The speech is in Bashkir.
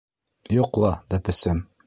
Йоҡла, бәпесем!